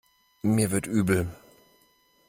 Mir wird übel.